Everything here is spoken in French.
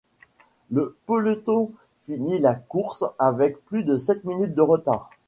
Le peloton finit la course avec plus de sept minutes de retard.